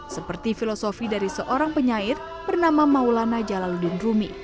seperti filosofi dari seorang penyair bernama maulana jalaludin rumi